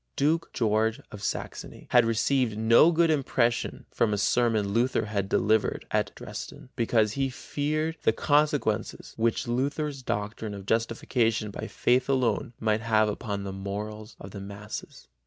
Duke George of Saxony had received no good impression from a sermon Luther had delivered at Dresden, because he feared the consequences which Luther's doctrine of justification by faith alone might have upon the morals of the masses.